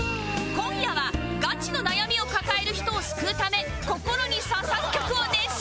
今夜はガチの悩みを抱える人を救うため心に刺さる曲を熱唱